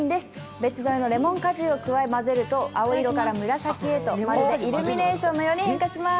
別添えのレモン果汁を添えて食べると青色から紫へと、まるでイルミネーションのように変化します。